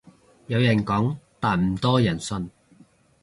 有人講但唔多人信